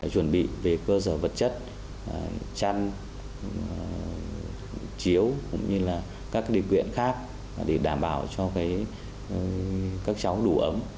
chuẩn bị về cơ sở vật chất chăn chiếu cũng như là các điều kiện khác để đảm bảo cho các cháu đủ ấm